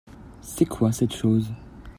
C'est quoi cette chose ?